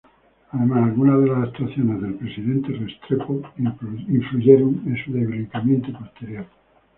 Además, algunas de las actuaciones presidente Restrepo influyeron en su debilitamiento posterior.